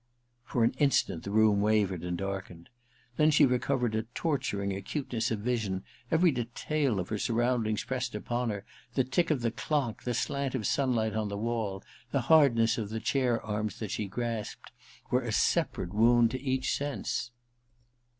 For an instant the room wavered and darkened ; then she recovered a torturing acuteness of vision. Every detail of her sur roundings pressed upon her : the tick of the clock, the slant of sunlight on the wall, the hardness of the chair arms that she grasped, were a separate wound to each sense.